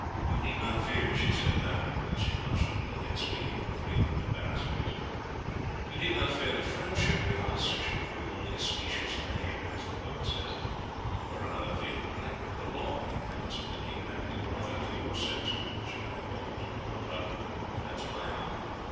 You need not fear," she said, laughing, while she blushed a little, yet speaking with a free and unembarrassed voice, "that friendship with us should prove only a specious name, as the poet says, for another feeling. I belong, in habits of thinking and acting, rather to your sex, with which I have always been brought up, than to my own.